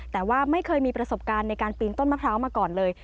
แต่ว่าไม่เคยมีประสบการณ์ในการปีนต้นมะพร้าวมาก่อนเลย